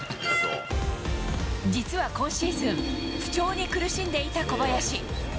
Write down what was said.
実は今シーズン、不調に苦しんでいた小林。